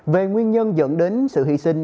về nguyên nhân dẫn đến sự hy sinh